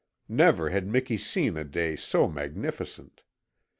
Never had Miki seen a day so magnificent.